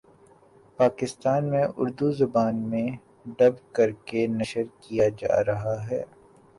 پاکستان میں اردو زبان میں ڈب کر کے نشر کیا جارہا ہے